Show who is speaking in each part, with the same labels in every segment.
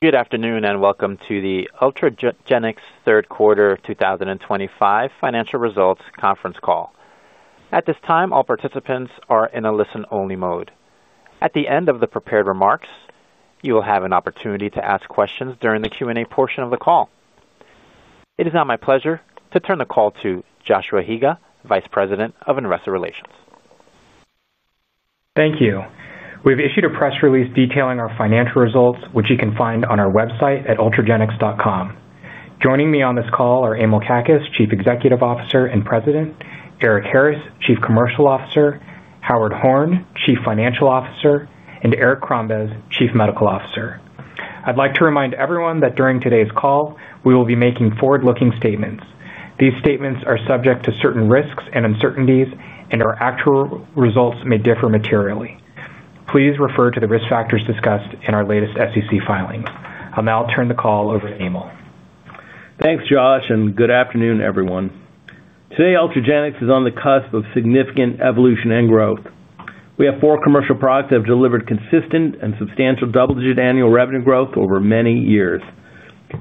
Speaker 1: Good afternoon and welcome to the Ultragenyx Third Quarter 2025 Financial Results Conference Call. At this time, all participants are in a listen-only mode. At the end of the prepared remarks, you will have an opportunity to ask questions during the Q&A portion of the call. It is now my pleasure to turn the call to Joshua Higa, Vice President of Investor Relations.
Speaker 2: Thank you. We've issued a press release detailing our financial results, which you can find on our website at ultragenyx.com. Joining me on this call are Emil Kakkis, Chief Executive Officer and President, Erik Harris, Chief Commercial Officer, Howard Horn, Chief Financial Officer, and Eric Crombez, Chief Medical Officer. I'd like to remind everyone that during today's call, we will be making forward-looking statements. These statements are subject to certain risks and uncertainties, and our actual results may differ materially. Please refer to the risk factors discussed in our latest SEC filings. I'll now turn the call over to Emil.
Speaker 3: Thanks, Josh, and good afternoon, everyone. Today, Ultragenyx is on the cusp of significant evolution and growth. We have four commercial products that have delivered consistent and substantial double-digit annual revenue growth over many years.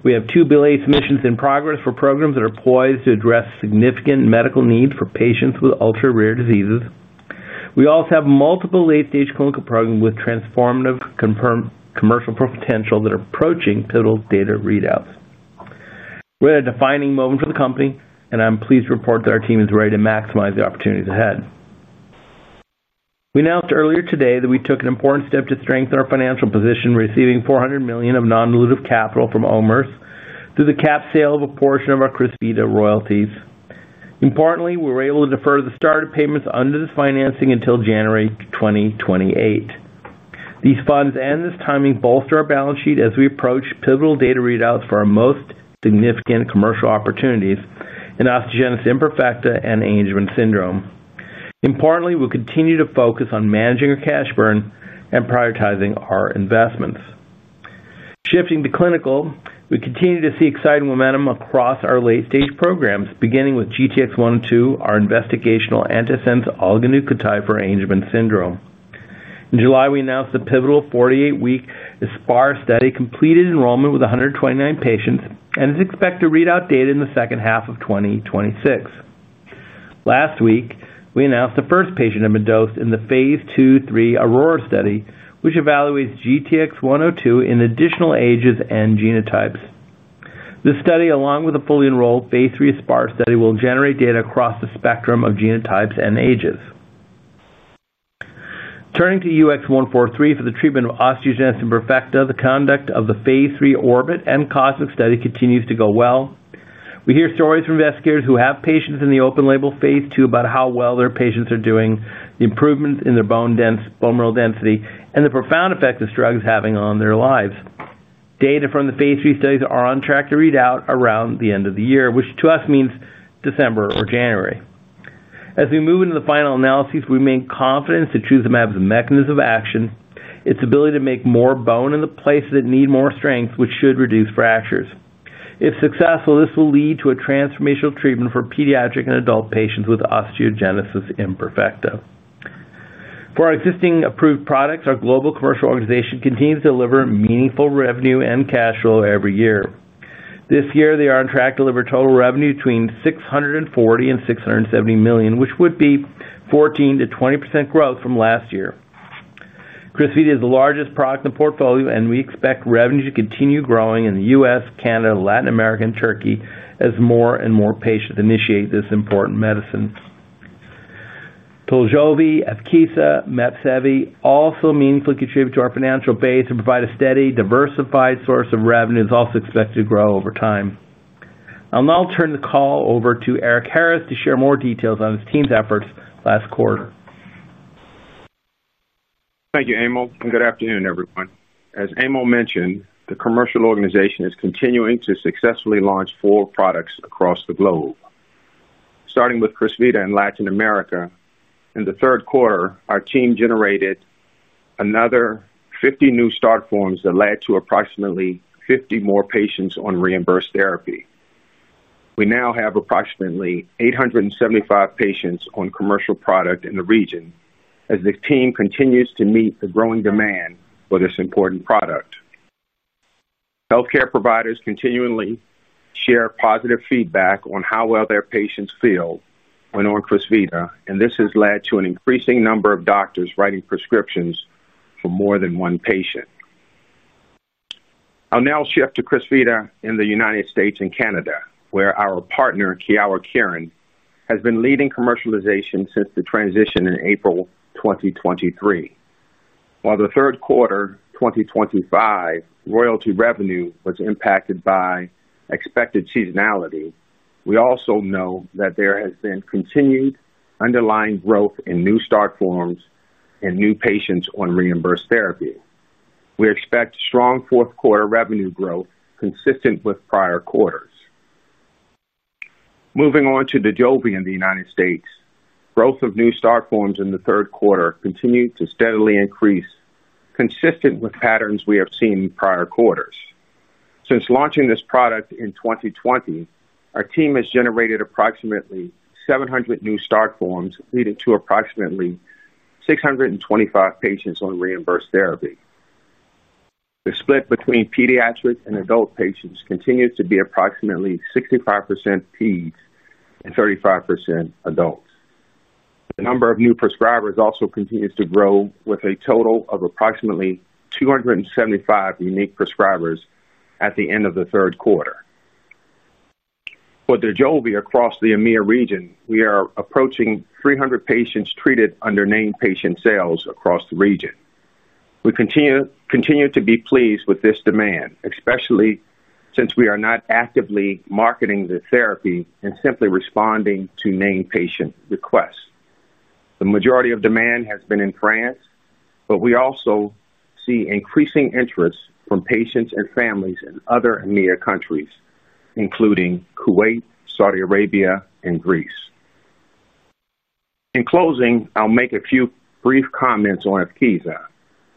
Speaker 3: We have two BLA submissions in progress for programs that are poised to address significant medical needs for patients with ultra-rare diseases. We also have multiple late-stage clinical programs with transformative commercial potential that are approaching pivotal data readouts. We're at a defining moment for the company, and I'm pleased to report that our team is ready to maximize the opportunities ahead. We announced earlier today that we took an important step to strengthen our financial position, receiving $400 million of non-dilutive capital from OMERS through the cap sale of a portion of our Crysvita royalties. Importantly, we were able to defer the start of payments under this financing until January 2028. These funds and this timing bolster our balance sheet as we approach pivotal data readouts for our most significant commercial opportunities in osteogenesis imperfecta and Angelman syndrome. Importantly, we'll continue to focus on managing our cash burn and prioritizing our investments. Shifting to clinical, we continue to see exciting momentum across our late-stage programs, beginning with GTX-102, our investigational antisense oligonucleotide for Angelman syndrome. In July, we announced the pivotal 48-week Aspire study, completed enrollment with 129 patients, and is expected to read out data in the second half of 2026. Last week, we announced the first patient had been dosed in the phase II/III Aurora study, which evaluates GTX-102 in additional ages and genotypes. This study, along with the fully-enrolled phase III Aspire study, will generate data across the spectrum of genotypes and ages. Turning to UX143 for the treatment of osteogenesis imperfecta, the conduct of the phase III Orbit and Cosmic study continues to go well. We hear stories from investigators who have patients in the open-label phase II about how well their patients are doing, the improvements in their bone density, bone mineral density, and the profound effect this drug is having on their lives. Data from the phase III studies are on track to read out around the end of the year, which to us means December or January. As we move into the final analyses, we remain confident to choose the mAb's mechanism of action, its ability to make more bone in the places that need more strength, which should reduce fractures. If successful, this will lead to a transformational treatment for pediatric and adult patients with osteogenesis imperfecta. For our existing approved products, our global commercial organization continues to deliver meaningful revenue and cash flow every year. This year, they are on track to deliver total revenue between $640 million and $670 million, which would be 14%-20% growth from last year. Crysvita is the largest product in the portfolio, and we expect revenue to continue growing in the U.S., Canada, Latin America, and Turkey as more and more patients initiate this important medicine. DOJOLVI, EVKEEZA, MEPSEVII also meaningfully contribute to our financial base and provide a steady, diversified source of revenue that's also expected to grow over time. I'll now turn the call over to Eric Harris to share more details on his team's efforts last quarter.
Speaker 4: Thank you, Emil, and good afternoon, everyone. As Emil mentioned, the commercial organization is continuing to successfully launch four products across the globe. Starting with Crysvita in Latin America, in the third quarter, our team generated another 50 new start forms that led to approximately 50 more patients on reimbursed therapy. We now have approximately 875 patients on commercial product in the region as the team continues to meet the growing demand for this important product. Healthcare providers continually share positive feedback on how well their patients feel when on Crysvita, and this has led to an increasing number of doctors writing prescriptions for more than one patient. I'll now shift to Crysvita in the United States and Canada, where our partner, Kyowa Kirin, has been leading commercialization since the transition in April 2023. While the third quarter 2025 royalty revenue was impacted by expected seasonality, we also know that there has been continued underlying growth in new start forms and new patients on reimbursed therapy. We expect strong fourth quarter revenue growth consistent with prior quarters. Moving on to DOJOLVI in the United States, growth of new start forms in the third quarter continued to steadily increase, consistent with patterns we have seen in prior quarters. Since launching this product in 2020, our team has generated approximately 700 new start forms, leading to approximately 625 patients on reimbursed therapy. The split between pediatric and adult patients continues to be approximately 65% pediatric and 35% adult. The number of new prescribers also continues to grow, with a total of approximately 275 unique prescribers at the end of the third quarter. For DOJOLVI across the EMEA region, we are approaching 300 patients treated under named patient sales across the region. We continue to be pleased with this demand, especially since we are not actively marketing the therapy and simply responding to named patient requests. The majority of demand has been in France, but we also see increasing interest from patients and families in other EMEA countries, including Kuwait, Saudi Arabia, and Greece. In closing, I'll make a few brief comments on EVKEEZA,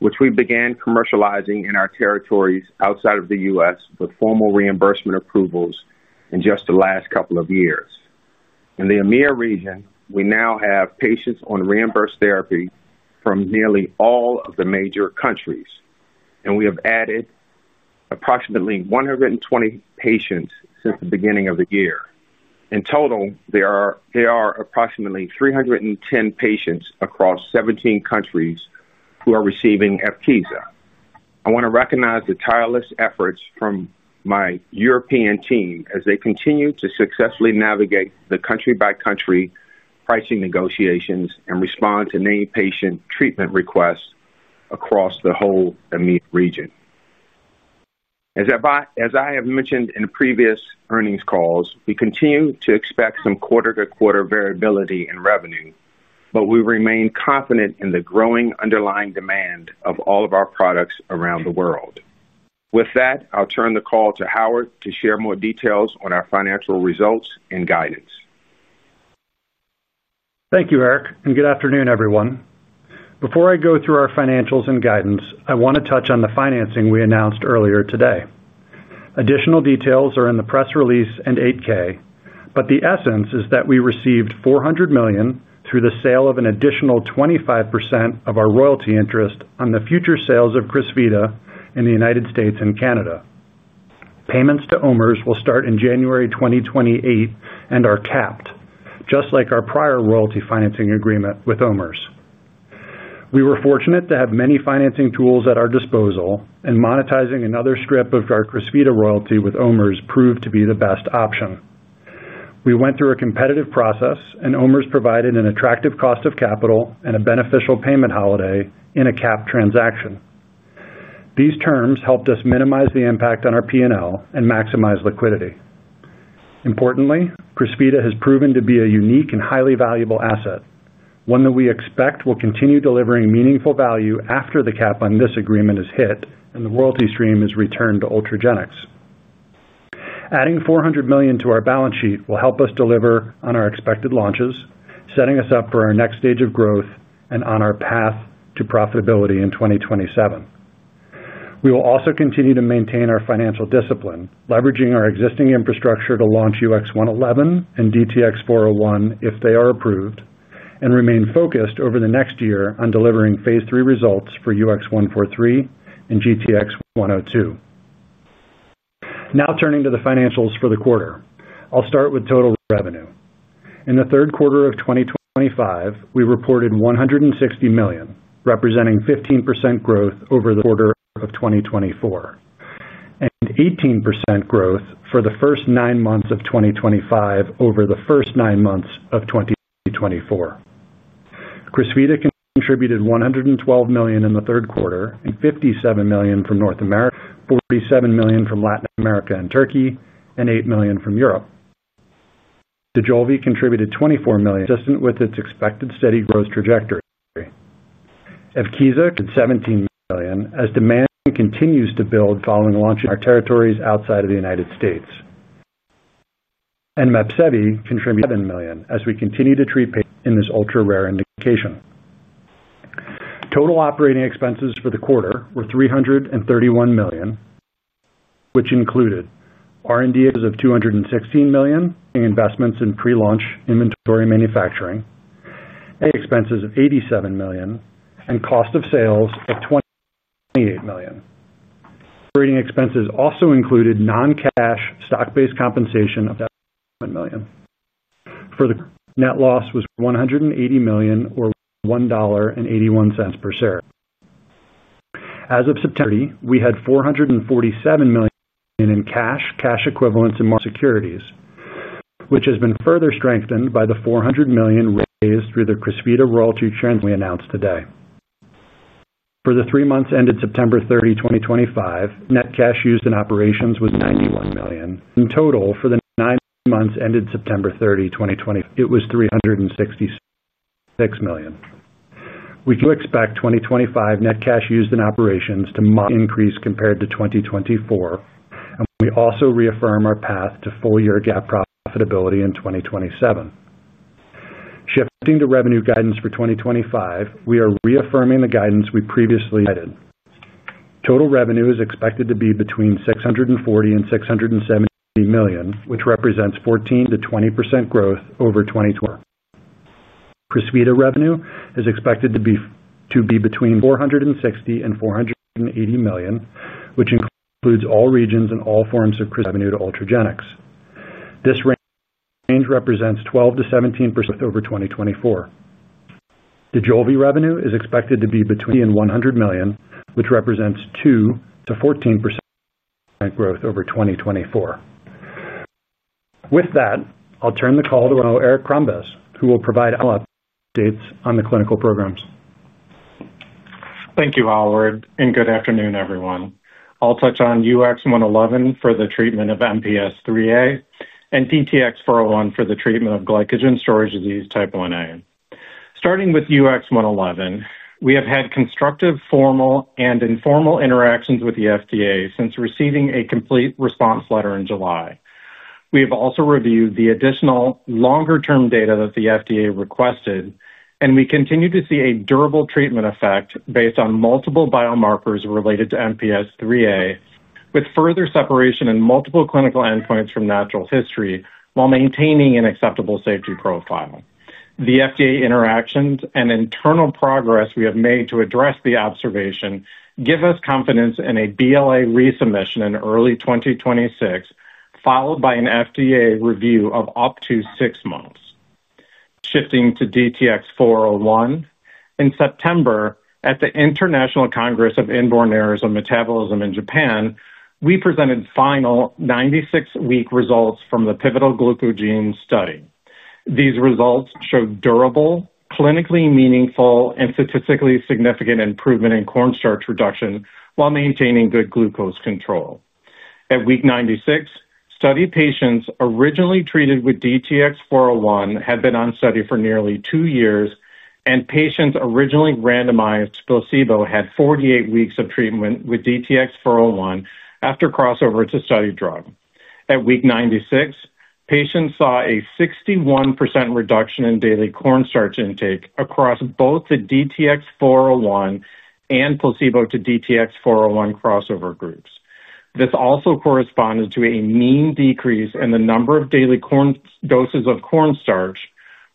Speaker 4: which we began commercializing in our territories outside of the U.S. with formal reimbursement approvals in just the last couple of years. In the EMEA region, we now have patients on reimbursed therapy from nearly all of the major countries, and we have added approximately 120 patients since the beginning of the year. In total, there are approximately 310 patients across 17 countries who are receiving EVKEEZA. I want to recognize the tireless efforts from my European team as they continue to successfully navigate the country-by-country pricing negotiations and respond to named patient treatment requests across the whole EMEA region. As I have mentioned in previous earnings calls, we continue to expect some quarter-to-quarter variability in revenue, but we remain confident in the growing underlying demand of all of our products around the world. With that, I'll turn the call to Howard to share more details on our financial results and guidance.
Speaker 5: Thank you, Eric, and good afternoon, everyone. Before I go through our financials and guidance, I want to touch on the financing we announced earlier today. Additional details are in the press release and 8-K, but the essence is that we received $400 million through the sale of an additional 25% of our royalty interest on the future sales of Crysvita in the United States and Canada. Payments to OMERS will start in January 2028 and are capped, just like our prior royalty financing agreement with OMERS. We were fortunate to have many financing tools at our disposal, and monetizing another strip of our Crysvita royalty with OMERS proved to be the best option. We went through a competitive process, and OMERS provided an attractive cost of capital and a beneficial payment holiday in a capped transaction. These terms helped us minimize the impact on our P&L and maximize liquidity. Importantly, Crysvita has proven to be a unique and highly valuable asset, one that we expect will continue delivering meaningful value after the cap on this agreement is hit and the royalty stream is returned to Ultragenyx. Adding $400 million to our balance sheet will help us deliver on our expected launches, setting us up for our next stage of growth and on our path to profitability in 2027. We will also continue to maintain our financial discipline, leveraging our existing infrastructure to launch UX111 and DTX401 if they are approved, and remain focused over the next year on delivering phase III results for UX143 and GTX-102. Now turning to the financials for the quarter, I'll start with total revenue. In the third quarter of 2025, we reported $160 million, representing 15% growth over the quarter of 2024. And 18% growth for the first nine months of 2025 over the first nine months of 2024. Crysvita contributed $112 million in the third quarter and $57 million from North America, $47 million from Latin America and Turkey, and $8 million from Europe. DOJOLVI contributed $24 million, consistent with its expected steady growth trajectory. EVKEEZA contributed $17 million as demand continues to build following launch in our territories outside of the United States. And MEPSEVII contributed $7 million as we continue to treat patients in this ultra-rare indication. Total operating expenses for the quarter were $331 million, which included R&D of $216 million, investments in pre-launch inventory manufacturing expenses of $87 million, and cost of sales of $28 million. Operating expenses also included non-cash stock-based compensation of $7 million. The net loss was $180 million or $1.81 per share. As of September 30, we had $447 million in cash, cash equivalents, and securities, which has been further strengthened by the $400 million raised through the Crysvita royalty transaction we announced today. For the three months ended September 30, 2025, net cash used in operations was $91 million. In total, for the nine months ended September 30, 2025, it was $366 million. We do expect 2025 net cash used in operations to increase compared to 2024, and we also reaffirm our path to full year GAAP profitability in 2027. Shifting to revenue guidance for 2025, we are reaffirming the guidance we previously added. Total revenue is expected to be between $640 million and $670 million, which represents 14%-20% growth over 2024. Crysvita revenue is expected to be between $460 million and $480 million, which includes all regions and all forms of Crysvita revenue to Ultragenyx. This range represents 12%-17% growth over 2024. DOJOLVI revenue is expected to be between $100 million, which represents 2%-14% growth over 2024. With that, I'll turn the call to Eric Crombez, who will provide follow-up updates on the clinical programs.
Speaker 6: Thank you, Howard, and good afternoon, everyone. I'll touch on UX111 for the treatment of MPS IIIA and DTX401 for the treatment of glycogen storage disease type 1A. Starting with UX111, we have had constructive formal and informal interactions with the FDA since receiving a complete response letter in July. We have also reviewed the additional longer-term data that the FDA requested, and we continue to see a durable treatment effect based on multiple biomarkers related to MPS IIIA, with further separation and multiple clinical endpoints from natural history while maintaining an acceptable safety profile. The FDA interactions and internal progress we have made to address the observation give us confidence in a BLA resubmission in early 2026, followed by an FDA review of up to six months. Shifting to DTX401, in September, at the International Congress of Inborn Errors of Metabolism in Japan, we presented final 96-week results from the pivotal Glucogene study. These results showed durable, clinically meaningful, and statistically significant improvement in corn starch reduction while maintaining good glucose control. At week 96, study patients originally treated with DTX401 had been on study for nearly two years, and patients originally randomized to placebo had 48 weeks of treatment with DTX401 after crossover to study drug. At week 96, patients saw a 61% reduction in daily corn starch intake across both the DTX401 and placebo to DTX401 crossover groups. This also corresponded to a mean decrease in the number of daily corn doses of corn starch,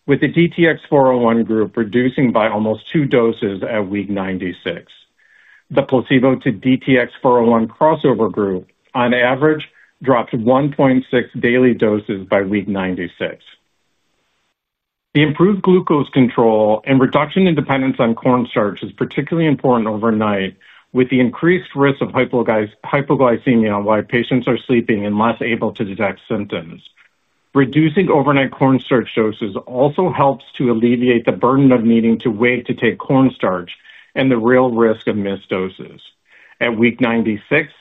Speaker 6: with the DTX401 group reducing by almost two doses at week 96. The placebo to DTX401 crossover group, on average, dropped 1.6 daily doses by week 96. The improved glucose control and reduction in dependence on corn starch is particularly important overnight, with the increased risk of hypoglycemia while patients are sleeping and less able to detect symptoms. Reducing overnight corn starch doses also helps to alleviate the burden of needing to wait to take corn starch and the real risk of missed doses. At week 96,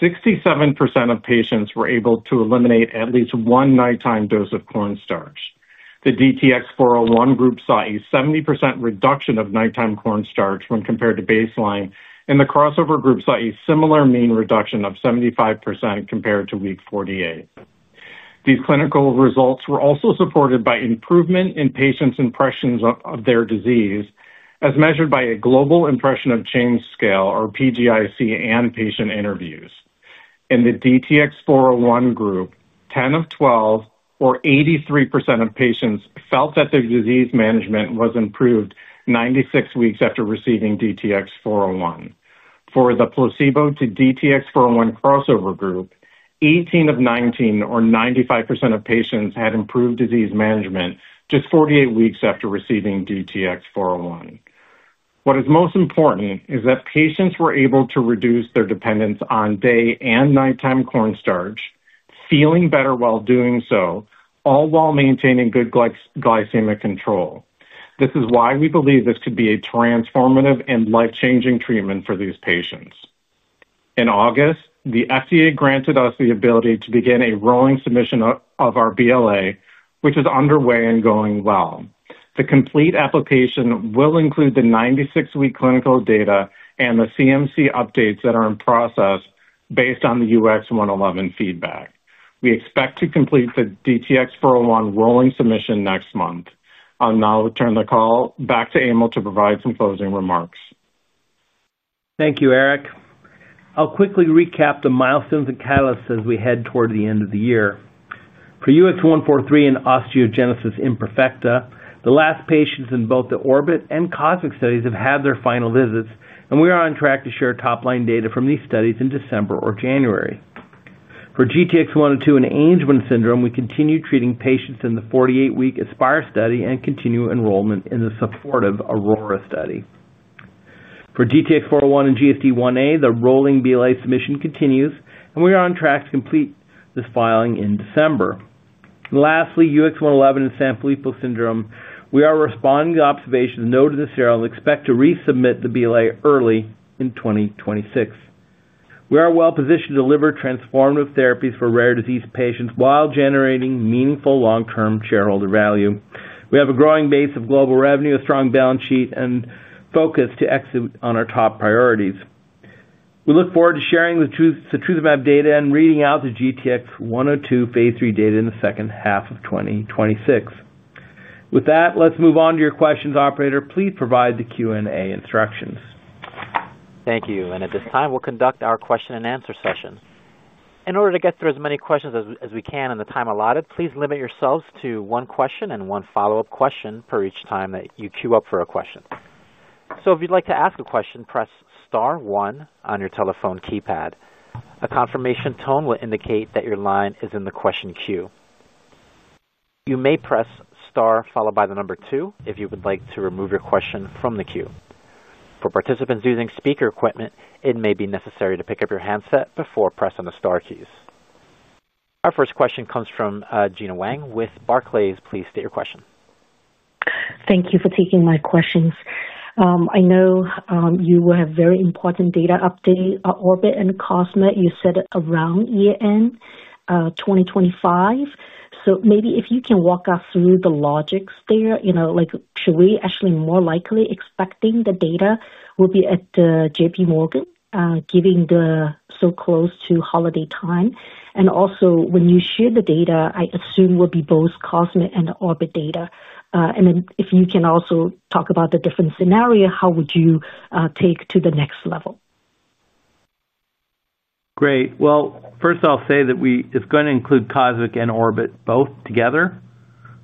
Speaker 6: 67% of patients were able to eliminate at least one nighttime dose of corn starch. The DTX401 group saw a 70% reduction of nighttime corn starch when compared to baseline, and the crossover group saw a similar mean reduction of 75% compared to week 48. These clinical results were also supported by improvement in patients' impressions of their disease, as measured by a global impression of change scale, or PGIC, and patient interviews. In the DTX401 group, 10 of 12, or 83% of patients, felt that their disease management was improved 96 weeks after receiving DTX401. For the placebo to DTX401 crossover group, 18 of 19, or 95% of patients, had improved disease management just 48 weeks after receiving DTX401. What is most important is that patients were able to reduce their dependence on day and nighttime corn starch, feeling better while doing so, all while maintaining good glycemic control. This is why we believe this could be a transformative and life-changing treatment for these patients. In August, the FDA granted us the ability to begin a rolling submission of our BLA, which is underway and going well. The complete application will include the 96-week clinical data and the CMC updates that are in process based on the UX111 feedback. We expect to complete the DTX401 rolling submission next month. I'll now turn the call back to Emil to provide some closing remarks.
Speaker 3: Thank you, Eric. I'll quickly recap the milestones and catalysts as we head toward the end of the year. For UX143 and osteogenesis imperfecta, the last patients in both the Orbit and Cosmic studies have had their final visits, and we are on track to share top-line data from these studies in December or January. For GTX-102 and Angelman syndrome, we continue treating patients in the 48-week Aspire study and continue enrollment in the supportive Aurora study. For DTX401 and GSD1A, the rolling BLA submission continues, and we are on track to complete this filing in December. Lastly, UX111 and Sanfilippo syndrome, we are responding to observations noted in the CRL and expect to resubmit the BLA early in 2026. We are well-positioned to deliver transformative therapies for rare disease patients while generating meaningful long-term shareholder value. We have a growing base of global revenue, a strong balance sheet, and focus to execute on our top priorities. We look forward to sharing the top-line data and reading out the GTX-102 phase III data in the second half of 2026. With that, let's move on to your questions, operator. Please provide the Q&A instructions.
Speaker 1: Thank you. And at this time, we'll conduct our question-and-answer session. In order to get through as many questions as we can in the time allotted, please limit yourselves to one question and one follow-up question per each time that you queue up for a question. So if you'd like to ask a question, press star one on your telephone keypad. A confirmation tone will indicate that your line is in the question queue. You may press star followed by the number two if you would like to remove your question from the queue. For participants using speaker equipment, it may be necessary to pick up your handset before pressing the star keys. Our first question comes from Gena Wang with Barclays. Please state your question.
Speaker 7: Thank you for taking my questions. I know you have very important data update on Orbit and Cosmic. You said around year end 2025. So maybe if you can walk us through the logics there, you know, like should we actually more likely expecting the data will be at JPMorgan, given the so close to holiday time. And also, when you share the data, I assume will be both Cosmic and Orbit data. And then if you can also talk about the different scenario, how would you take to the next level?
Speaker 4: Great. Well, first I'll say that it's going to include Cosmic and Orbit both together.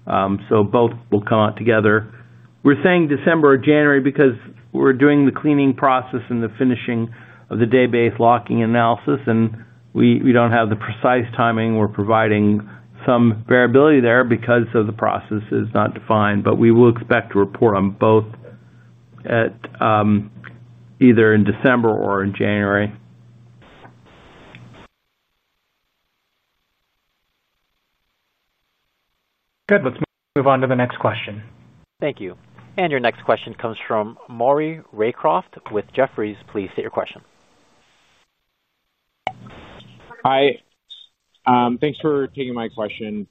Speaker 4: So both will come out together. We're saying December or January because we're doing the cleaning process and the finishing of the database locking analysis, and we don't have the precise timing. We're providing some variability there because the process is not defined, but we will expect to report on both either in December or in January. Good. Let's move on to the next question.
Speaker 1: Thank you. And your next question comes from Maury Raycroft with Jefferies. Please state your question.
Speaker 8: Hi. Thanks for taking my question.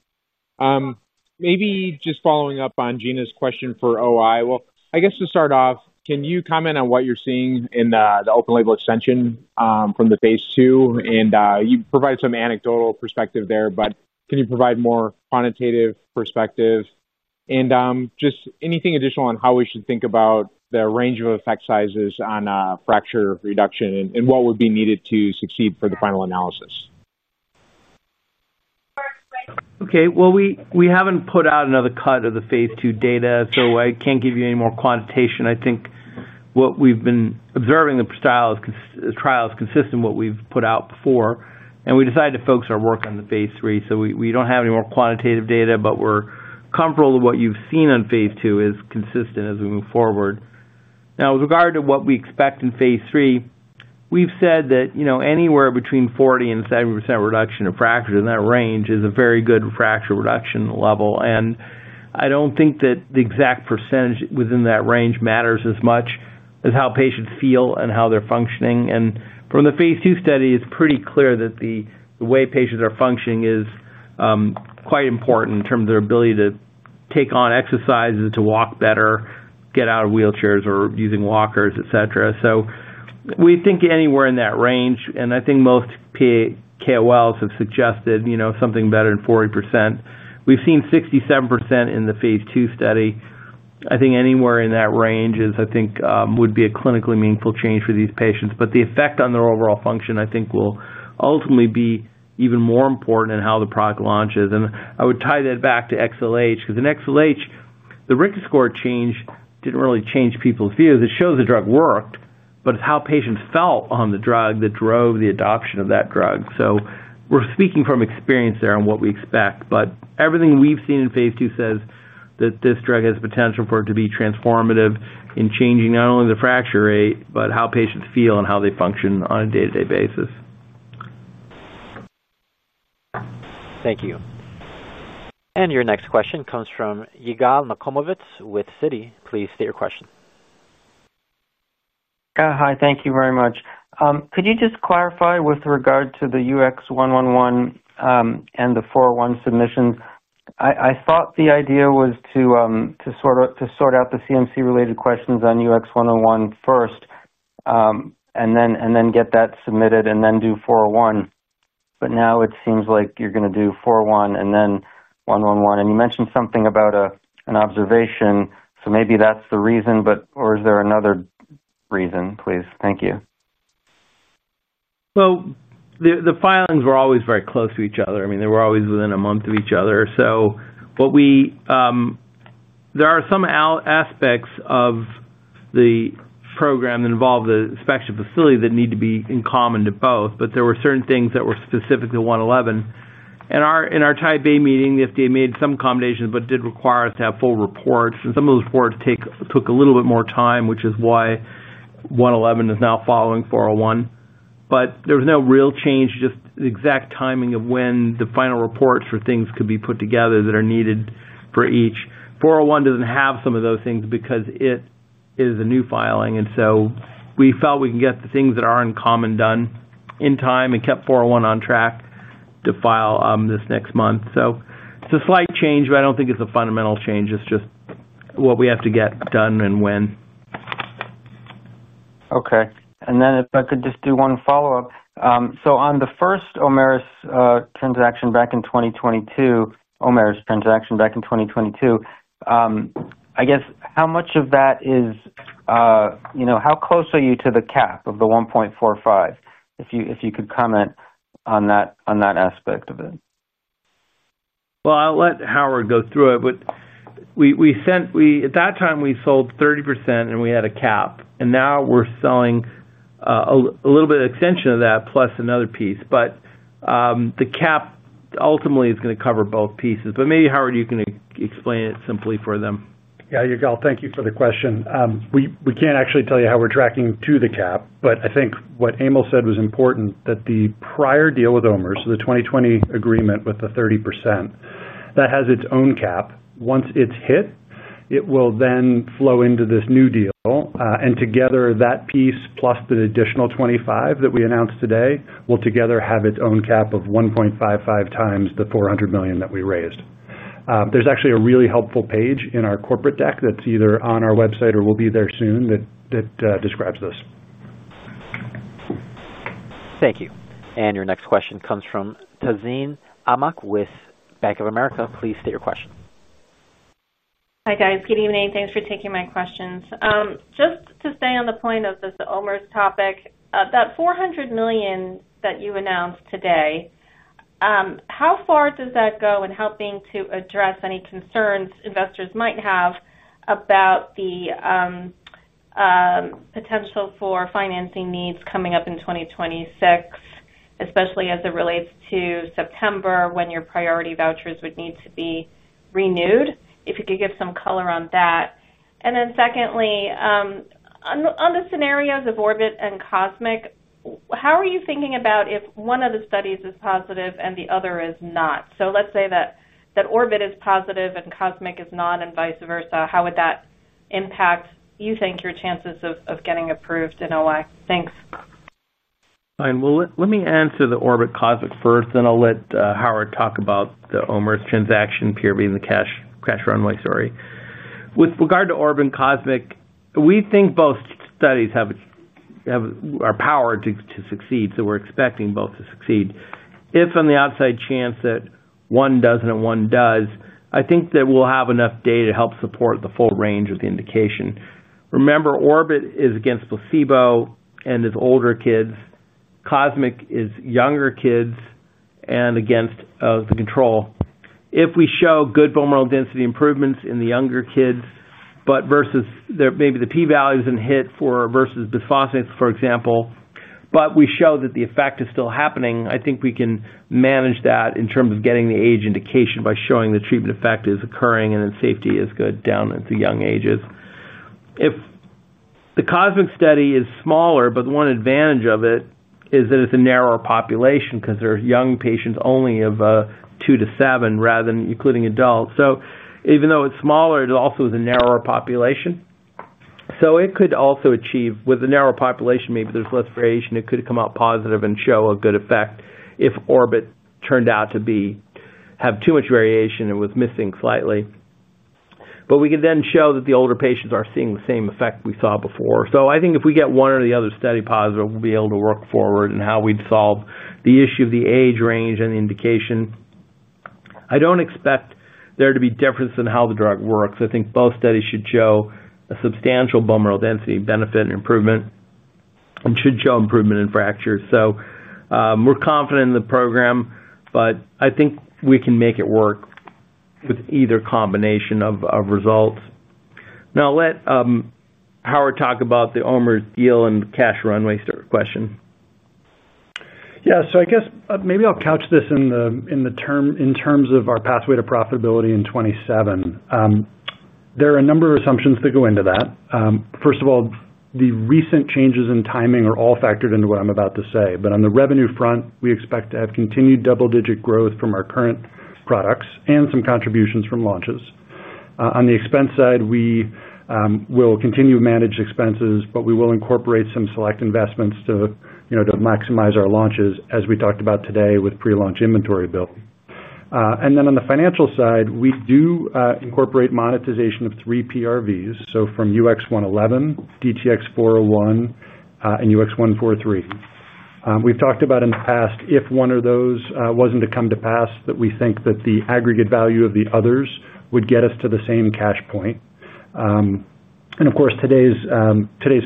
Speaker 8: Maybe just following up on Gena's question for OI. Well, I guess to start off, can you comment on what you're seeing in the open label extension from the phase II? And you provided some anecdotal perspective there, but can you provide more quantitative perspective? And just anything additional on how we should think about the range of effect sizes on fracture reduction and what would be needed to succeed for the final analysis?
Speaker 3: Okay. Well, we haven't put out another cut of the phase II data, so I can't give you any more quantitation. I think what we've been observing the trial is consistent with what we've put out before, and we decided to focus our work on the phase III. So we don't have any more quantitative data, but we're comfortable that what you've seen on phase II is consistent as we move forward. Now, with regard to what we expect in phase III, we've said that anywhere between 40% and 70% reduction of fracture in that range is a very good fracture reduction level, and I don't think that the exact percentage within that range matters as much as how patients feel and how they're functioning. And from the phase II study, it's pretty clear that the way patients are functioning is quite important in terms of their ability to take on exercises, to walk better, get out of wheelchairs, or using walkers, et cetera. So we think anywhere in that range, and I think most KOLs have suggested something better than 40%. We've seen 67% in the phase II study. I think anywhere in that range is, I think, would be a clinically meaningful change for these patients. But the effect on their overall function, I think, will ultimately be even more important in how the product launches, and I would tie that back to XLH because in XLH, the RICA score change didn't really change people's views. It shows the drug worked, but it's how patients felt on the drug that drove the adoption of that drug.
Speaker 2: So we're speaking from experience there on what we expect. But everything we've seen in phase II says that this drug has the potential for it to be transformative in changing not only the fracture rate, but how patients feel and how they function on a day-to-day basis.
Speaker 1: Thank you, and your next question comes from Yigal Nochomovitz with Citi. Please state your question.
Speaker 9: Hi. Thank you very much. Could you just clarify with regard to the UX111. And the 401 submission? I thought the idea was to sort out the CMC-related questions on UX111 first. And then get that submitted and then do 401. But now it seems like you're going to do 401 and then 111. And you mentioned something about an observation. So maybe that's the reason, but or is there another reason, please? Thank you.
Speaker 6: The filings were always very close to each other. I mean, they were always within a month of each other. There are some aspects of the program that involve the spectrum facility that need to be in common to both. There were certain things that were specific to 111. In our Type A meeting, the FDA made some accommodations, but it did require us to have full reports. Some of those reports took a little bit more time, which is why 111 is now following 401. There was no real change, just the exact timing of when the final reports for things could be put together that are needed for each. 401 doesn't have some of those things because it is a new filing. We felt we can get the things that are in common done in time and kept 401 on track to file this next month. It's a slight change, but I don't think it's a fundamental change. It's just what we have to get done and when.
Speaker 9: Okay. And then if I could just do one follow-up. So on the first OMERS transaction back in 2022, I guess how much of that is. How close are you to the cap of the $145 million? If you could comment on that aspect of it.
Speaker 6: I'll let Howard go through it. At that time, we sold 30% and we had a cap. Now we're selling a little bit of extension of that plus another piece. The cap ultimately is going to cover both pieces. Maybe Howard, you can explain it simply for them.
Speaker 5: Yeah. Yigal, thank you for the question. We can't actually tell you how we're tracking to the cap. But I think what Emil said was important, that the prior deal with OMERS, the 2020 agreement with the 30%. That has its own cap. Once it's hit, it will then flow into this new deal. And together, that piece plus the additional 25 that we announced today will together have its own cap of 1.55 times the $400 million that we raised. There's actually a really helpful page in our corporate deck that's either on our website or will be there soon that describes this.
Speaker 1: Thank you. And your next question comes from Tazeen Ahmad with Bank of America. Please state your question.
Speaker 10: Hi, guys. Good evening. Thanks for taking my questions. Just to stay on the point of the OMERS topic, that $400 million that you announced today. How far does that go in helping to address any concerns investors might have about the potential for financing needs coming up in 2026, especially as it relates to September when your priority vouchers would need to be renewed? If you could give some color on that. And then secondly. On the scenarios of Orbit and Cosmic, how are you thinking about if one of the studies is positive and the other is not? So let's say that Orbit is positive and Cosmic is not and vice versa. How would that impact, you think, your chances of getting approved in OI? Thanks.
Speaker 4: Fine. Well, let me answer the Orbit, Cosmic first, then I'll let Howard talk about the OMERS transaction PRV and the cash runway, sorry. With regard to Orbit and Cosmic, we think both studies have our power to succeed. So we're expecting both to succeed. If on the outside chance that one doesn't and one does, I think that we'll have enough data to help support the full range of the indication. Remember, Orbit is against placebo and is older kids. Cosmic is younger kids and against the control. If we show good bone mineral density improvements in the younger kids, but versus maybe the P-values in it versus bisphosphonates, for example, but we show that the effect is still happening, I think we can manage that in terms of getting the age indication by showing the treatment effect is occurring and then safety is good down at the young ages. If the Cosmic study is smaller, but one advantage of it is that it's a narrower population because there are young patients only of 2 to 7 rather than including adults. So even though it's smaller, it also is a narrower population. So it could also achieve with the narrower population, maybe there's less variation. It could come out positive and show a good effect if Orbit turned out to have too much variation and was missing slightly. But we could then show that the older patients are seeing the same effect we saw before. So I think if we get one or the other study positive, we'll be able to work forward in how we'd solve the issue of the age range and the indication. I don't expect there to be difference in how the drug works. I think both studies should show a substantial bone mineral density benefit and improvement. And should show improvement in fracture. So we're confident in the program, but I think we can make it work. With either combination of results. Now I'll let Howard talk about the OMERS deal and cash runway question.
Speaker 5: Yeah. So I guess maybe I'll couch this in terms of our pathway to profitability in 2027. There are a number of assumptions that go into that. First of all, the recent changes in timing are all factored into what I'm about to say, but on the revenue front, we expect to have continued double-digit growth from our current products and some contributions from launches. On the expense side, we will continue to manage expenses, but we will incorporate some select investments to maximize our launches, as we talked about today, with pre-launch inventory building, and then on the financial side, we do incorporate monetization of three PRVs, so from UX111, DTX401, and UX143. We've talked about in the past, if one of those wasn't to come to pass, that we think that the aggregate value of the others would get us to the same cash point, and of course, today's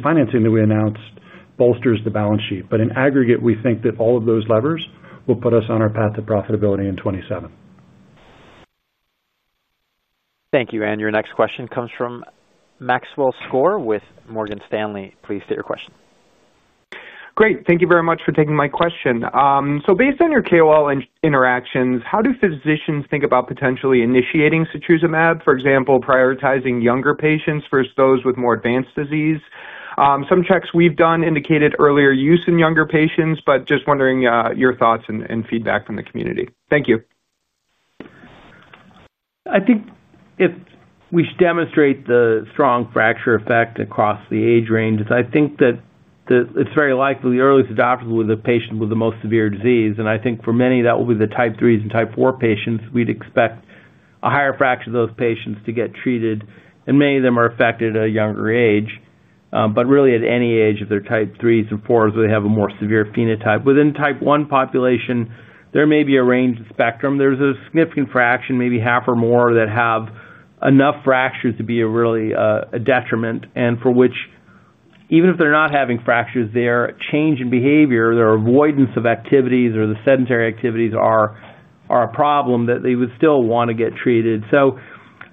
Speaker 5: financing that we announced bolsters the balance sheet, but in aggregate, we think that all of those levers will put us on our path to profitability in 2027.
Speaker 1: Thank you. And your next question comes from Maxwell Skor with Morgan Stanley. Please state your question.
Speaker 11: Great. Thank you very much for taking my question. So based on your KOL interactions, how do physicians think about potentially initiating Setrusumab, for example, prioritizing younger patients versus those with more advanced disease? Some checks we've done indicated earlier use in younger patients, but just wondering your thoughts and feedback from the community. Thank you.
Speaker 5: I think if we demonstrate the strong fracture effect across the age ranges, I think that it's very likely the earliest adoption will be with a patient with the most severe disease. And I think for many, that will be the Type IIIs and Type IV patients. We'd expect a higher fraction of those patients to get treated. And many of them are affected at a younger age. But really, at any age of the Type IIIs and IVs, they have a more severe phenotype. Within the Type I population, there may be a range of spectrum. There's a significant fraction, maybe half or more, that have enough fractures to be really a detriment and for which even if they're not having fractures, their change in behavior, their avoidance of activities or the sedentary activities are a problem that they would still want to get treated. So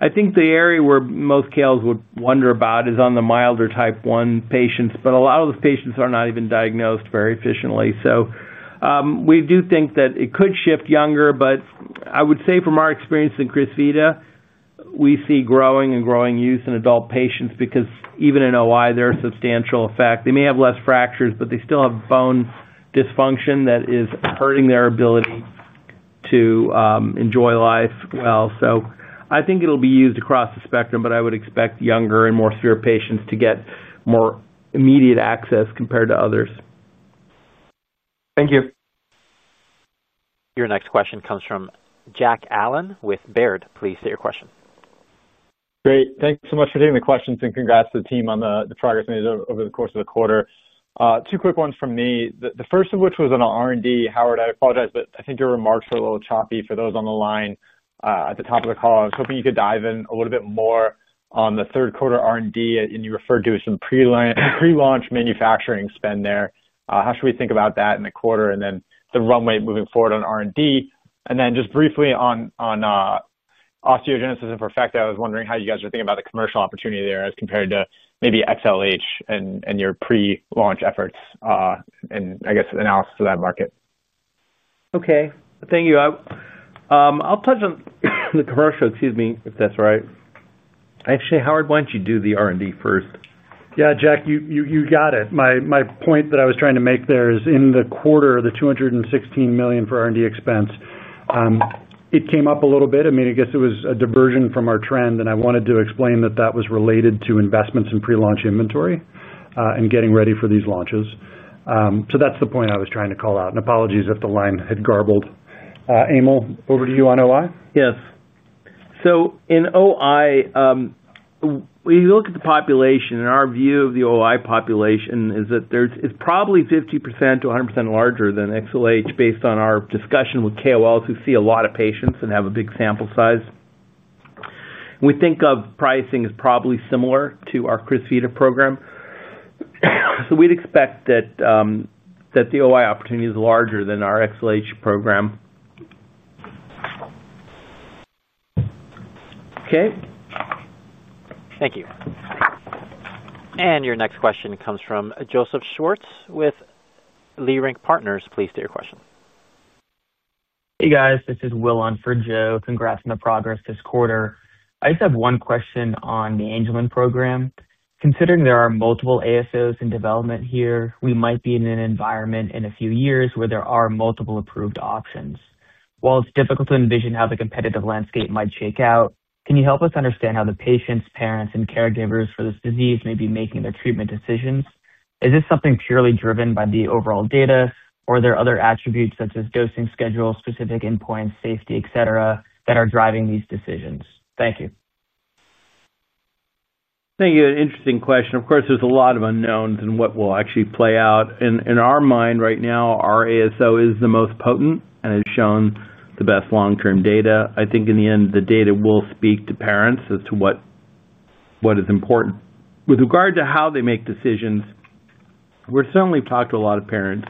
Speaker 5: I think the area where most KOLs would wonder about is on the milder Type I patients. But a lot of those patients are not even diagnosed very early. We do think that it could shift younger. But I would say from our experience in Crysvita, we see growing and growing use in adult patients because even in OI, there are substantial effects. They may have less fractures, but they still have bone dysfunction that is hurting their ability to enjoy life well. So I think it'll be used across the spectrum, but I would expect younger and more severe patients to get more immediate access compared to others.
Speaker 11: Thank you.
Speaker 1: Your next question comes from Jack Allen with Baird. Please state your question.
Speaker 12: Great. Thanks so much for taking the questions and congrats to the team on the progress made over the course of the quarter. Two quick ones from me. The first of which was on R&D. Howard, I apologize, but I think your remarks were a little choppy for those on the line at the top of the call. I was hoping you could dive in a little bit more on the third quarter R&D, and you referred to some pre-launch manufacturing spend there. How should we think about that in the quarter and then the runway moving forward on R&D? And then just briefly on osteogenesis imperfecta, I was wondering how you guys are thinking about the commercial opportunity there as compared to maybe XLH and your pre-launch efforts and, I guess, analysis of that market.
Speaker 4: Okay. Thank you. I'll touch on the commercial, excuse me, if that's all right. Actually, Howard, why don't you do the R&D first?
Speaker 5: Yeah, Jack, you got it. My point that I was trying to make there is in the quarter, the $216 million for R&D expense, it came up a little bit. I mean, I guess it was a diversion from our trend, and I wanted to explain that that was related to investments in pre-launch inventory and getting ready for these launches. So that's the point I was trying to call out. And apologies if the line had garbled. Emil, over to you on OI.
Speaker 3: Yes. So in OI. When you look at the population, our view of the OI population is that it's probably 50%-100% larger than XLH based on our discussion with KOLs who see a lot of patients and have a big sample size. We think of pricing as probably similar to our Crysvita program. So we'd expect that. The OI opportunity is larger than our XLH program. Okay.
Speaker 1: Thank you. And your next question comes from Joseph Schwartz with Leerink Partners. Please state your question. Hey, guys. This is Will on Fridgo. Congrats on the progress this quarter. I just have one question on the Angelman program. Considering there are multiple ASOs in development here, we might be in an environment in a few years where there are multiple approved options. While it's difficult to envision how the competitive landscape might shake out, can you help us understand how the patients, parents, and caregivers for this disease may be making their treatment decisions? Is this something purely driven by the overall data, or are there other attributes such as dosing schedule, specific endpoints, safety, etc., that are driving these decisions? Thank you.
Speaker 4: Thank you. An interesting question. Of course, there's a lot of unknowns in what will actually play out. In our mind right now, our ASO is the most potent and has shown the best long-term data. I think in the end, the data will speak to parents as to what is important with regard to how they make decisions. We're certainly talked to a lot of parents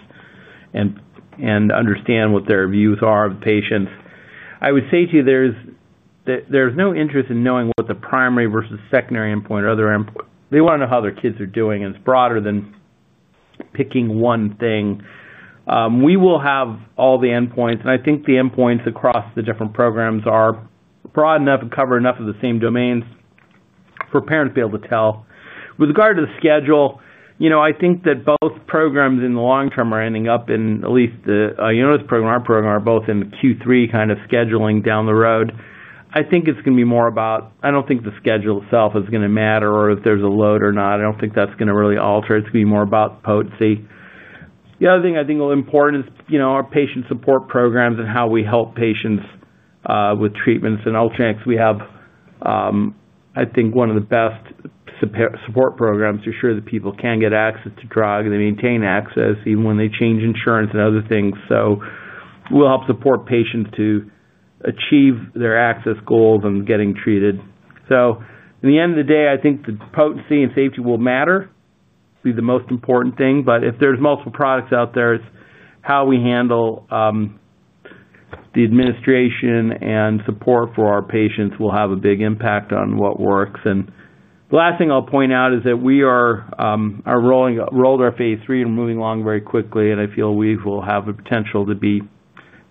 Speaker 4: and understand what their views are of the patients. I would say to you there's no interest in knowing what the primary versus secondary endpoint or other endpoint. They want to know how their kids are doing, and it's broader than picking one thing. We will have all the endpoints, and I think the endpoints across the different programs are broad enough and cover enough of the same domains for parents to be able to tell. With regard to the schedule, I think that both programs in the long term are ending up in at least the Ionis program, our program, are both in the Q3 kind of scheduling down the road. I think it's going to be more about. I don't think the schedule itself is going to matter or if there's a load or not. I don't think that's going to really alter. It's going to be more about potency. The other thing I think will be important is our patient support programs and how we help patients with treatments and alternates. We have, I think, one of the best support programs to ensure that people can get access to drug and they maintain access even when they change insurance and other things. So we'll help support patients to achieve their access goals and getting treated. So in the end of the day, I think the potency and safety will matter. It'll be the most important thing. But if there's multiple products out there, it's how we handle the administration and support for our patients will have a big impact on what works. And the last thing I'll point out is that we are rolling our phase III and moving along very quickly, and I feel we will have the potential to be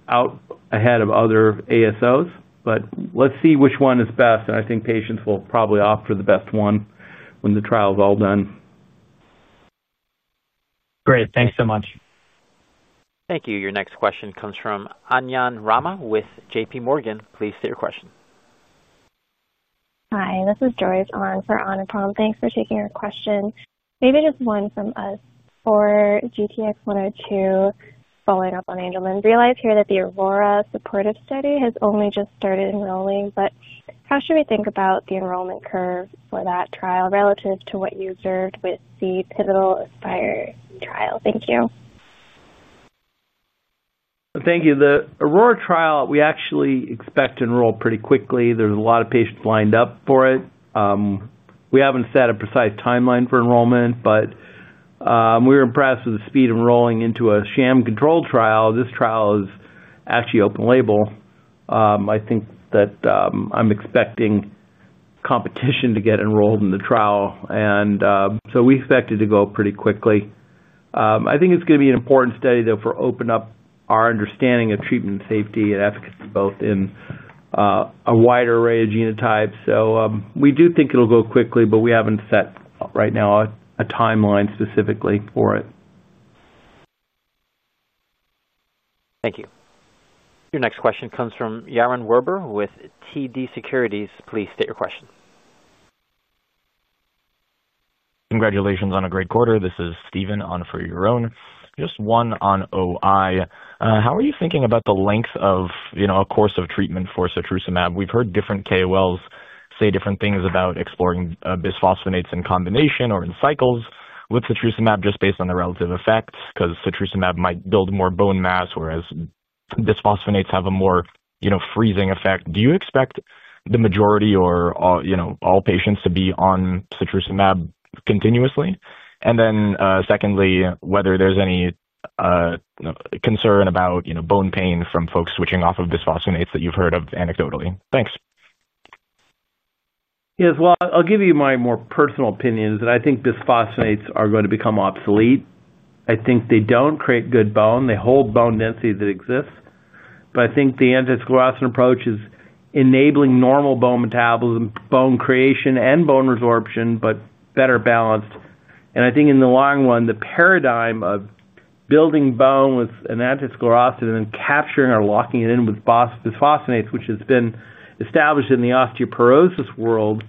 Speaker 4: out ahead of other ASOs. But let's see which one is best, and I think patients will probably opt for the best one when the trial is all done.
Speaker 13: Great. Thanks so much.
Speaker 1: Thank you. Your next question comes from [Anyan Rama] with JPMorgan. Please state your question. Hi. This is Joyce on for [OnApollo]. Thanks for taking our question. Maybe just one from us for GTX-102 following up on Angelman. We realize here that the Aurora supportive study has only just started enrolling, but how should we think about the enrollment curve for that trial relative to what you observed with the pivotal Aspire trial? Thank you.
Speaker 5: Thank you. The Aurora trial, we actually expect to enroll pretty quickly. There's a lot of patients lined up for it. We haven't set a precise timeline for enrollment, but we were impressed with the speed of enrolling into a sham control trial. This trial is actually open label. I think that I'm expecting competition to get enrolled in the trial. And so we expect it to go pretty quickly. I think it's going to be an important study, though, for opening up our understanding of treatment safety and efficacy both in a wider array of genotypes. So we do think it'll go quickly, but we haven't set right now a timeline specifically for it.
Speaker 1: Thank you. Your next question comes from Yaron Werber with TD Securities. Please state your question. Congratulations on a great quarter. This is Steven on for Yaron. Just one on OI. How are you thinking about the length of a course of treatment for Setrusumab? We've heard different KOLs say different things about exploring bisphosphonates in combination or in cycles with Setrusumab just based on the relative effects because Setrusumab might build more bone mass, whereas bisphosphonates have a more freezing effect. Do you expect the majority or all patients to be on Setrusumab continuously? And then secondly, whether there's any concern about bone pain from folks switching off of bisphosphonates that you've heard of anecdotally. Thanks.
Speaker 5: Yes. Well, I'll give you my more personal opinions. And I think bisphosphonates are going to become obsolete. I think they don't create good bone. They hold bone density that exists. But I think the anti-sclerostin approach is enabling normal bone metabolism, bone creation, and bone resorption, but better balanced. And I think in the long run, the paradigm of building bone with an anti-sclerostin and then capturing or locking it in with bisphosphonates, which has been established in the osteoporosis world,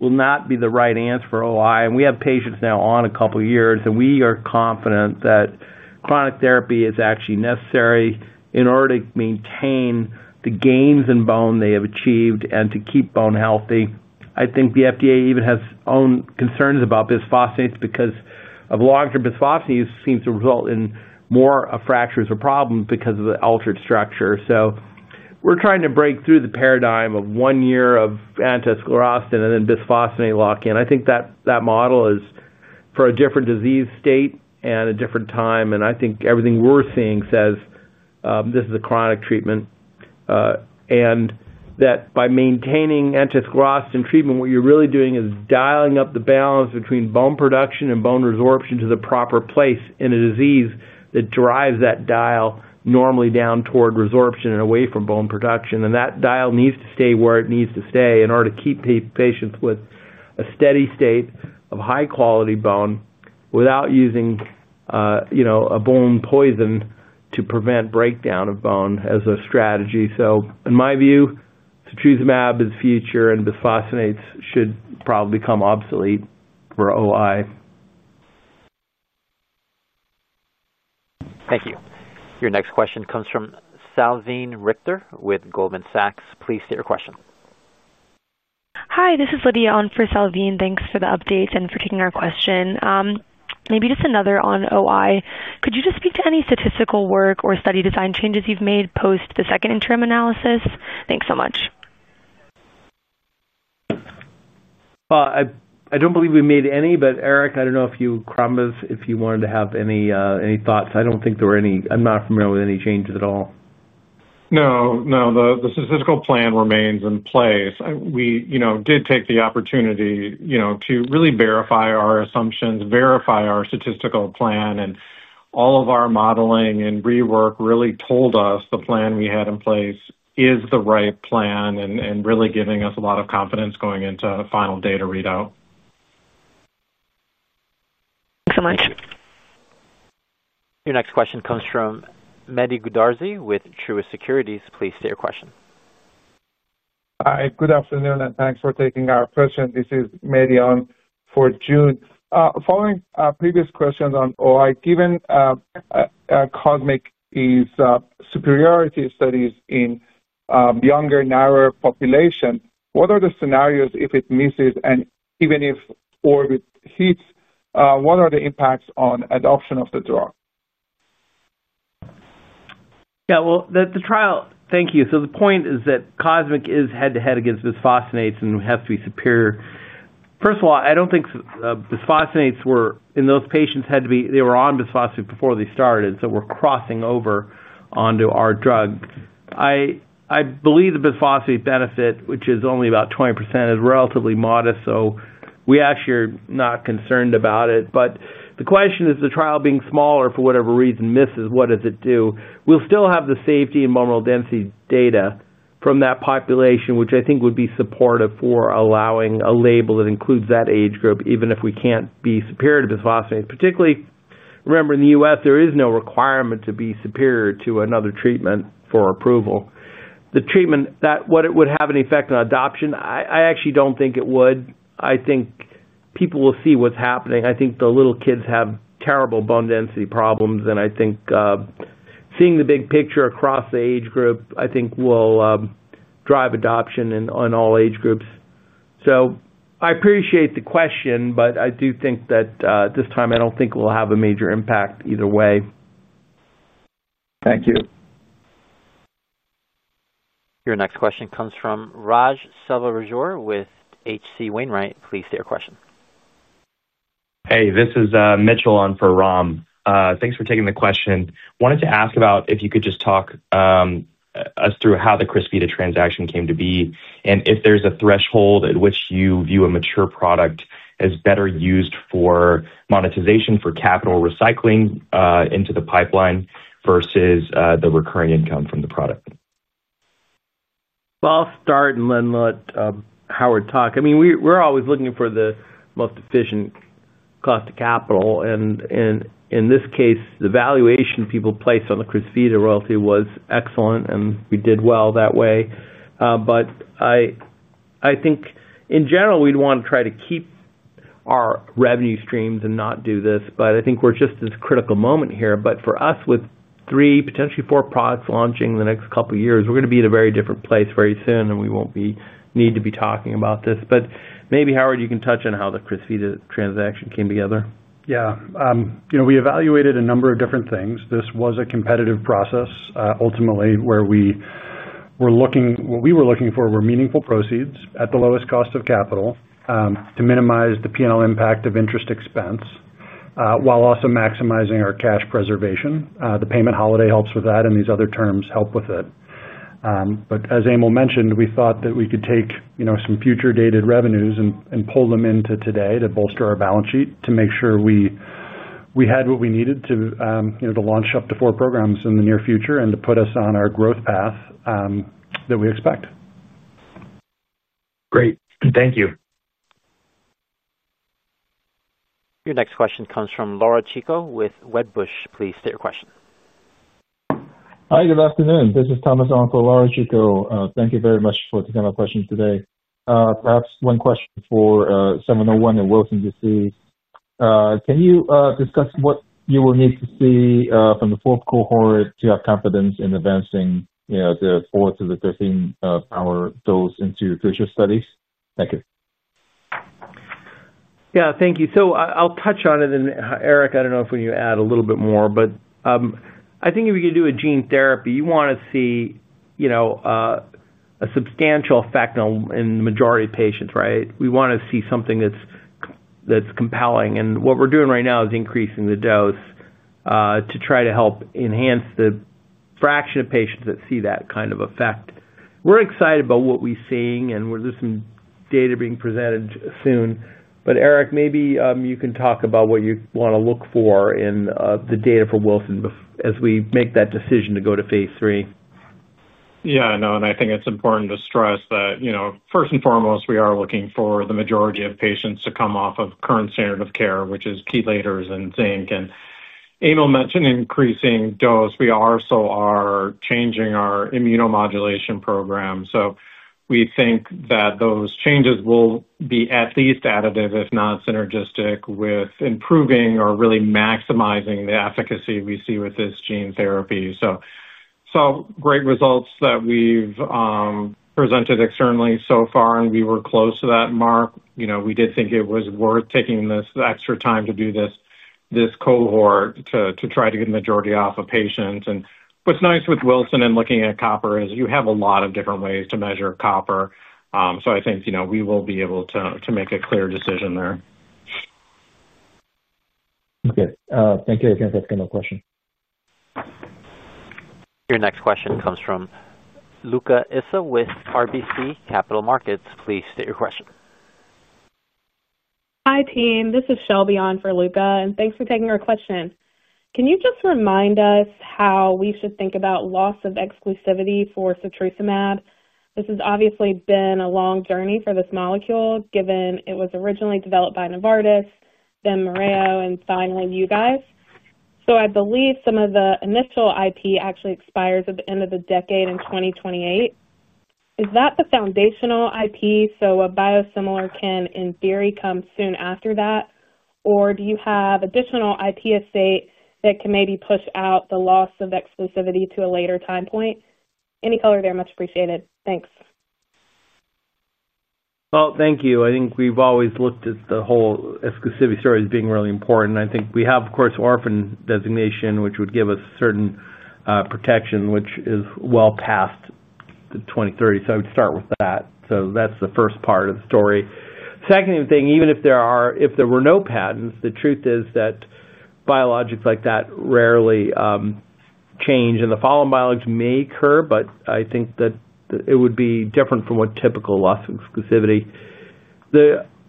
Speaker 5: will not be the right answer for OI. And we have patients now on a couple of years, and we are confident that chronic therapy is actually necessary in order to maintain the gains in bone they have achieved and to keep bone healthy. I think the FDA even has its own concerns about bisphosphonates because of long-term bisphosphonate use seems to result in more fractures or problems because of the altered structure. So we're trying to break through the paradigm of one year of anti-sclerostin and then bisphosphonate lock-in. I think that model is for a different disease state and a different time. And I think everything we're seeing says this is a chronic treatment. And that by maintaining anti-sclerostin treatment, what you're really doing is dialing up the balance between bone production and bone resorption to the proper place in a disease that drives that dial normally down toward resorption and away from bone production. And that dial needs to stay where it needs to stay in order to keep patients with a steady state of high-quality bone without using a bone poison to prevent breakdown of bone as a strategy.
Speaker 2: So in my view, Setrusumab is future, and bisphosphonates should probably become obsolete for OI.
Speaker 1: Thank you. Your next question comes from Salveen Richter with Goldman Sachs. Please state your question. Hi. This is Lydia on for Salveen. Thanks for the update and for taking our question. Maybe just another on OI. Could you just speak to any statistical work or study design changes you've made post the second interim analysis? Thanks so much.
Speaker 5: I don't believe we made any, but Eric, I don't know if you, Crombez, if you wanted to have any thoughts. I don't think there were any. I'm not familiar with any changes at all.
Speaker 6: No. No. The statistical plan remains in place. We did take the opportunity to really verify our assumptions, verify our statistical plan. And all of our modeling and rework really told us the plan we had in place is the right plan and really giving us a lot of confidence going into final data readout. Thanks so much.
Speaker 1: Your next question comes from Mehdi Goudarzi with Truist Securities. Please state your question.
Speaker 14: Hi. Good afternoon, and thanks for taking our question. This is Mehdi on for June. Following previous questions on OI, given Cosmic superiority studies in younger, narrower population, what are the scenarios if it misses and even if Orbit hits? What are the impacts on adoption of the drug?
Speaker 5: Yeah. Well, the trial. Thank you. So the point is that Cosmic is head-to-head against bisphosphonates and has to be superior. First of all, I don't think bisphosphonates were in those patients. They were on bisphosphonates before they started, so we're crossing over onto our drug. I believe the bisphosphonate benefit, which is only about 20%, is relatively modest, so we actually are not concerned about it. But the question is, the trial being smaller, for whatever reason, misses. What does it do? We'll still have the safety and bone density data from that population, which I think would be supportive for allowing a label that includes that age group, even if we can't be superior to bisphosphonates. Particularly, remember, in the U.S., there is no requirement to be superior to another treatment for approval. The treatment that would have an effect on adoption, I actually don't think it would. I think people will see what's happening. I think the little kids have terrible bone density problems. And I think seeing the big picture across the age group, I think, will drive adoption in all age groups. So I appreciate the question, but I do think that this time, I don't think we'll have a major impact either way.
Speaker 14: Thank you.
Speaker 1: Your next question comes from [Raj Selvaraju] with H.C. Wainwright. Please state your question. Hey, this is Mitchell on for Ram. Thanks for taking the question. Wanted to ask about if you could just talk us through how the Crysvita transaction came to be and if there's a threshold at which you view a mature product as better used for monetization, for capital recycling into the pipeline versus the recurring income from the product.
Speaker 4: I'll start and then let Howard talk. I mean, we're always looking for the most efficient cost of capital. And in this case, the valuation people placed on the Crysvita royalty was excellent, and we did well that way. But I think, in general, we'd want to try to keep our revenue streams and not do this. But I think we're just at this critical moment here. But for us, with three, potentially four products launching in the next couple of years, we're going to be in a very different place very soon, and we won't need to be talking about this. But maybe, Howard, you can touch on how the Crysvita transaction came together.
Speaker 5: Yeah. We evaluated a number of different things. This was a competitive process, ultimately, where we were looking. What we were looking for were meaningful proceeds at the lowest cost of capital to minimize the P&L impact of interest expense while also maximizing our cash preservation. The payment holiday helps with that, and these other terms help with it. But as Emil mentioned, we thought that we could take some future-dated revenues and pull them into today to bolster our balance sheet to make sure we had what we needed to launch up to four programs in the near future and to put us on our growth path that we expect. Great. Thank you.
Speaker 1: Your next question comes from Laura Chico with Wedbush. Please state your question. Hi. Good afternoon. This is Thomas on for Laura Chico. Thank you very much for taking my question today. Perhaps one question for UX701 in Wilson disease. Can you discuss what you will need to see from the fourth cohort to have confidence in advancing the 4 × 10 to the 13 vg/kg dose into future studies? Thank you.
Speaker 3: Yeah. Thank you. So I'll touch on it. And Eric, I don't know if we need to add a little bit more, but I think if we can do a gene therapy, you want to see a substantial effect in the majority of patients, right? We want to see something that's compelling. And what we're doing right now is increasing the dose to try to help enhance the fraction of patients that see that kind of effect. We're excited about what we're seeing, and there's some data being presented soon. But Eric, maybe you can talk about what you want to look for in the data for Wilson as we make that decision to go to phase three.
Speaker 6: Yeah. No. I think it's important to stress that, first and foremost, we are looking for the majority of patients to come off of current standard of care, which is chelators and zinc. Emil mentioned increasing dose. We also are changing our immunomodulation program. We think that those changes will be at least additive, if not synergistic, with improving or really maximizing the efficacy we see with this gene therapy. Great results that we've presented externally so far, and we were close to that mark. We did think it was worth taking this extra time to do this cohort to try to get the majority off of patients. What's nice with Wilson and looking at copper is you have a lot of different ways to measure copper. I think we will be able to make a clear decision there. Okay. Thank you. I think that's my question.
Speaker 1: Your next question comes from Luca Issa with RBC Capital Markets. Please state your question. Hi, team. This is Shelby on for Luca, and thanks for taking our question. Can you just remind us how we should think about loss of exclusivity for Setrusumab? This has obviously been a long journey for this molecule, given it was originally developed by Novartis, then Mereo, and finally you guys. So I believe some of the initial IP actually expires at the end of the decade in 2028. Is that the foundational IP so a biosimilar can, in theory, come soon after that? Or do you have additional IP estate that can maybe push out the loss of exclusivity to a later time point? Any color there, much appreciated. Thanks.
Speaker 3: Well, thank you. I think we've always looked at the whole exclusivity story as being really important. I think we have, of course, orphan designation, which would give us certain protection, which is well past 2030. So I would start with that. So that's the first part of the story. Second thing, even if there were no patents, the truth is that biologics like that rarely change. And the following biologics may occur, but I think that it would be different from what typical loss of exclusivity.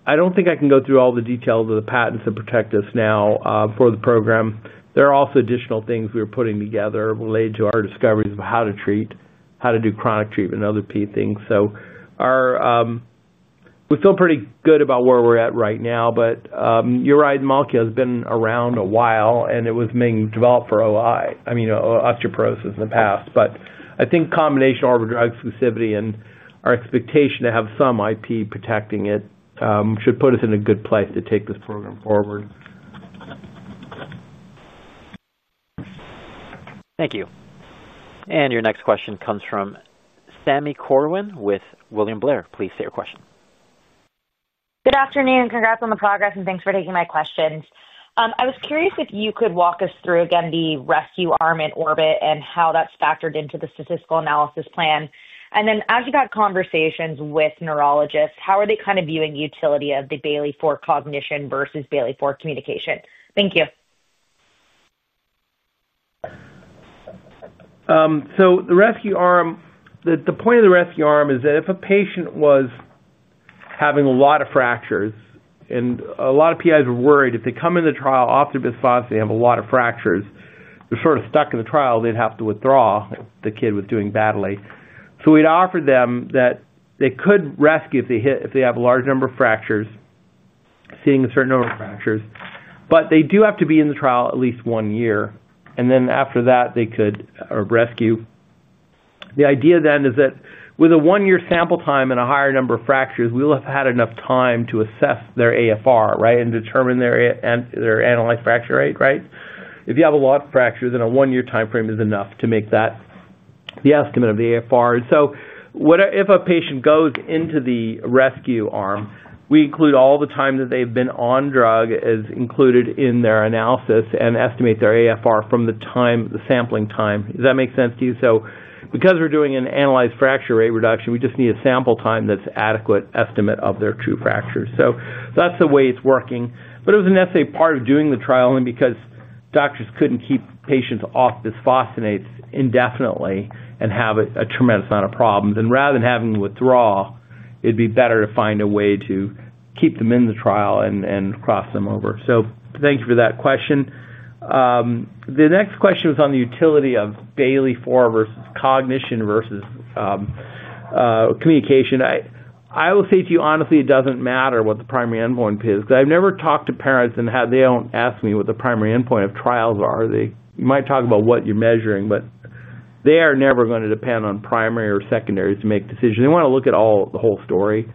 Speaker 3: I don't think I can go through all the details of the patents that protect us now for the program. There are also additional things we are putting together related to our discoveries of how to treat, how to do chronic treatment, and other key things. So we're still pretty good about where we're at right now. But Setrusumab has been around a while, and it was being developed for OI, I mean, osteoporosis in the past. But I think combination orphan drug exclusivity and our expectation to have some IP protecting it should put us in a good place to take this program forward.
Speaker 1: Thank you. And your next question comes from Sami Corwin with William Blair. Please state your question.
Speaker 15: Good afternoon. Congrats on the progress, and thanks for taking my questions. I was curious if you could walk us through, again, the rescue arm in Orbit and how that's factored into the statistical analysis plan. And then, as you've had conversations with neurologists, how are they kind of viewing utility of the Bayley-4 cognition versus Bayley-4 communication? Thank you.
Speaker 5: So the rescue arm, the point of the rescue arm is that if a patient was having a lot of fractures and a lot of PIs were worried, if they come into the trial often with bisphosphonates, they have a lot of fractures, they're sort of stuck in the trial, they'd have to withdraw if the kid was doing badly. So we'd offer them that they could rescue if they have a large number of fractures, seeing a certain number of fractures. But they do have to be in the trial at least one year. And then after that, they could rescue. The idea then is that with a one-year sample time and a higher number of fractures, we'll have had enough time to assess their AFR, right, and determine their annualized fracture rate, right? If you have a lot of fractures, then a one-year timeframe is enough to make that the estimate of the AFR. So if a patient goes into the rescue arm, we include all the time that they've been on drug as included in their analysis and estimate their AFR from the sampling time. Does that make sense to you? So because we're doing an annualized fracture rate reduction, we just need a sample time that's an adequate estimate of their true fractures. So that's the way it's working. But it was necessarily part of doing the trial only because doctors couldn't keep patients off bisphosphonates indefinitely and have a tremendous amount of problems. And rather than having them withdraw, it'd be better to find a way to keep them in the trial and cross them over. So thank you for that question. The next question was on the utility of Bayley-4 versus cognition versus communication. I will say to you, honestly, it doesn't matter what the primary endpoint is because I've never talked to parents and they don't ask me what the primary endpoint of trials are. You might talk about what you're measuring, but they are never going to depend on primary or secondary to make decisions. They want to look at the whole story.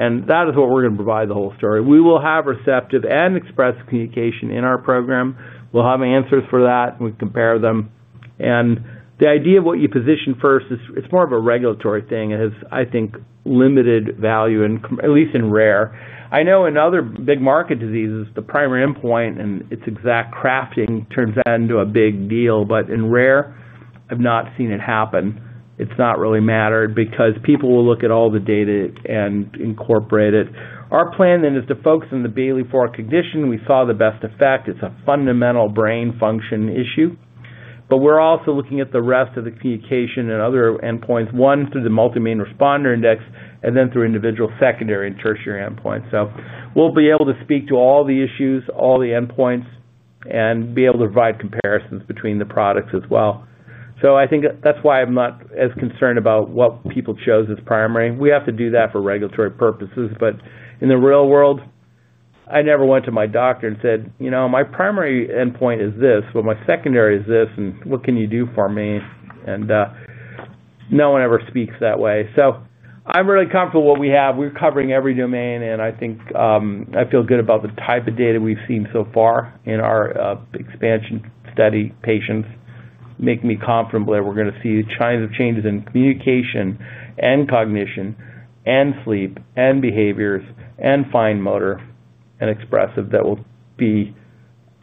Speaker 5: And that is what we're going to provide the whole story. We will have receptive and expressive communication in our program. We'll have answers for that, and we compare them. And the idea of what you position first, it's more of a regulatory thing. It has, I think, limited value, at least in rare. I know in other big market diseases, the primary endpoint and its exact crafting turns into a big deal. But in rare, I've not seen it happen. It's not really mattered because people will look at all the data and incorporate it. Our plan then is to focus on the Bayley-4 condition. We saw the best effect. It's a fundamental brain function issue. But we're also looking at the rest of the communication and other endpoints, one through the multi-domain responder index and then through individual secondary and tertiary endpoints. So we'll be able to speak to all the issues, all the endpoints, and be able to provide comparisons between the products as well. So I think that's why I'm not as concerned about what people chose as primary. We have to do that for regulatory purposes. But in the real world. I never went to my doctor and said, "My primary endpoint is this, but my secondary is this, and what can you do for me?" No one ever speaks that way. So I'm really comfortable with what we have. We're covering every domain. And I think I feel good about the type of data we've seen so far in our expansion study patients. Make me confident that we're going to see the kinds of changes in communication and cognition and sleep and behaviors and fine motor and expressive that will be,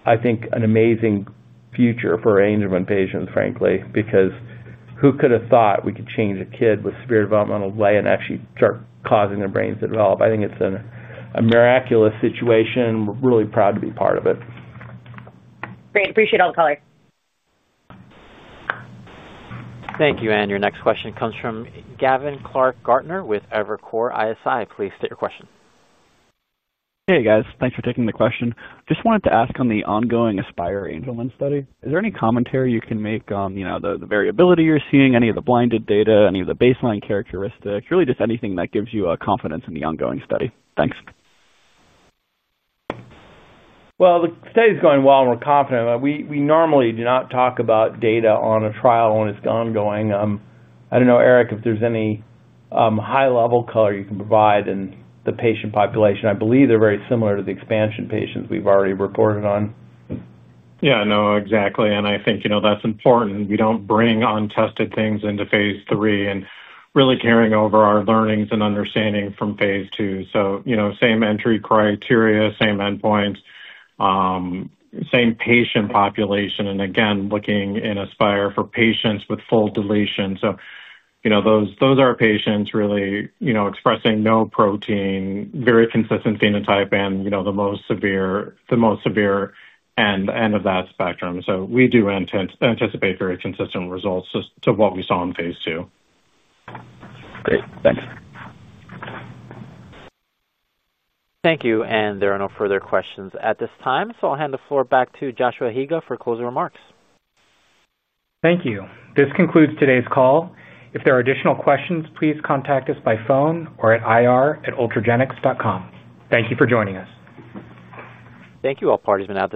Speaker 5: I think, an amazing future for Angelman patients, frankly, because who could have thought we could change a kid with severe developmental delay and actually start causing their brains to develop? I think it's a miraculous situation. We're really proud to be part of it.
Speaker 15: Great. Appreciate all the color.
Speaker 1: Thank you. And your next question comes from Gavin Clark Gartner with Evercore ISI. Please state your question.
Speaker 16: Hey, guys. Thanks for taking the question. Just wanted to ask on the ongoing Aspire Angelman study, is there any commentary you can make on the variability you're seeing, any of the blinded data, any of the baseline characteristics, really just anything that gives you confidence in the ongoing study? Thanks. The study is going well, and we're confident. We normally do not talk about data on a trial when it's ongoing. I don't know, Eric, if there's any high-level color you can provide in the patient population. I believe they're very similar to the expansion patients we've already reported on.
Speaker 6: Yeah. No, exactly. And I think that's important. We don't bring untested things into phase III and really carrying over our learnings and understanding from phase 2. So same entry criteria, same endpoints. Same patient population. And again, looking in Aspire for patients with full deletion. So those are patients really expressing no protein, very consistent phenotype, and the most severe end of that spectrum. So we do anticipate very consistent results to what we saw in phase 2.
Speaker 16: Great. Thanks.
Speaker 1: Thank you. And there are no further questions at this time. So I'll hand the floor back to Joshua Higa for closing remarks.
Speaker 2: Thank you. This concludes today's call. If there are additional questions, please contact us by phone or at ir@ultragenyx.com. Thank you for joining us.
Speaker 1: Thank you. All parties may now.